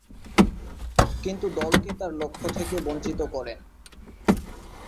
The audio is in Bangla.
কিন্তু, দলকে তার লক্ষ্য থেকে বঞ্চিত করেন।